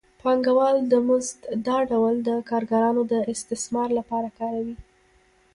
پانګوال د مزد دا ډول د کارګرانو د استثمار لپاره کاروي